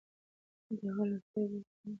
د هغه له سترګو اوښکې روانې وې.